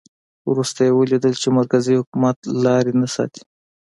وروسته یې ولیدل چې مرکزي حکومت لاري نه ساتي.